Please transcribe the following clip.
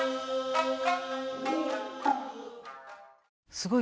すごい。